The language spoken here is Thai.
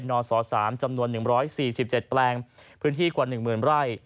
นศ๓จำนวน๑๔๗แปลงพื้นที่กว่า๑๐๐๐ไร่